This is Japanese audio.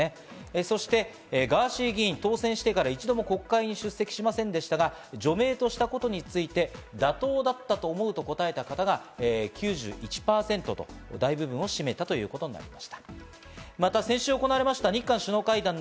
ガーシー議員、当選してから１回も国会に出席しませんでしたが、除名としたことについて妥当だったと思うと答えた方が９１％と大部分を占めたということになりました。